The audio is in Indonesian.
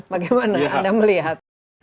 bagaimana anda melihat